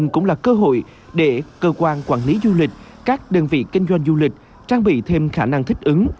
đây cũng là cơ hội để cơ quan quản lý du lịch các đơn vị kinh doanh du lịch trang bị thêm khả năng thích ứng